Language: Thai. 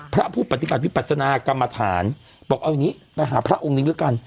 พระผู้ปฏิบัติวิปัสนากรรมฐานบอกเอาอย่างนี้ไปหาพระองค์นึงแล้วกัน